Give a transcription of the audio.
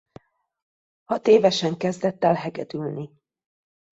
Hatévesen kezdett el hegedülni.